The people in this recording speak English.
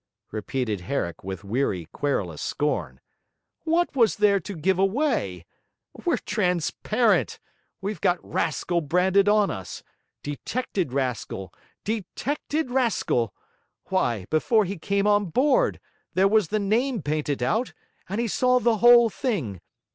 repeated Herrick with weary, querulous scorn. 'What was there to give away? We're transparent; we've got rascal branded on us: detected rascal detected rascal! Why, before he came on board, there was the name painted out, and he saw the whole thing.